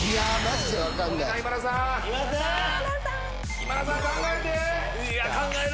今田さん考えて。